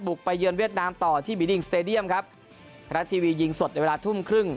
บุกไปเยินเวียดนามต่อที่บินิ่งสเตดิ้ยัมครับโทรทรัศน์ทีวียิงสดเวลา๒๐๓๐น